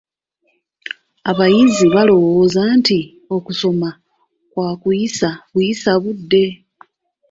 Abayizi balowooza nti okusoma kwakuyisa buyisa budde.